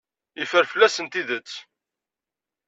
Yeffer fell-asen tidet.